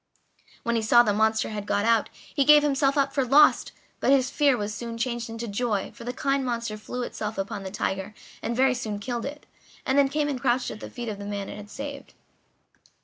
When he saw the monster had got out he gave himself up for lost, but his fear was soon changed into joy, for the kind monster threw itself upon the tiger and very soon killed it, and then came and crouched at the feet of the man it had saved.